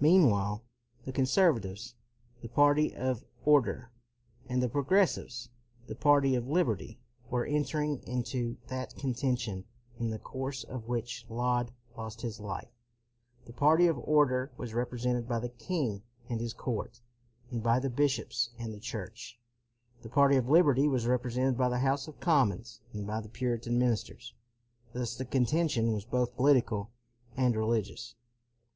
Meanwhile the conservatives, the party of order, and the progressives, the party of liberty, were entering into that conten tion in the course of which Laud lost his life. The party of order was represented by the king and his court, and by the 2 4 o CROMWELL bishops and the Church. The party of liberty was represented by the House of Commons, and by the Puritan ministers. Thus the contention was both political and religious.